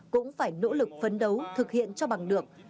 cũng phải nỗ lực phấn đấu thực hiện cho bằng được